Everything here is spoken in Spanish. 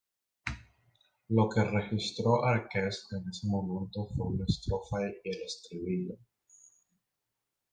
Lo que registró Arques en ese momento fue una estrofa y el estribillo.